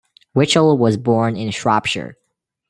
Witchell was born in Shropshire.